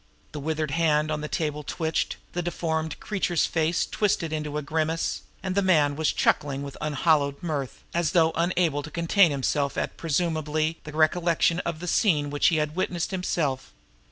The withered hand on the table twitched; the deformed creature's face was twisted into a grimace; and the man was chuckling with unhallowed mirth, as though unable to contain himself at, presumably, the recollection of a scene which he had witnessed himself.